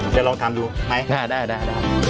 จะลองทำดูไหมได้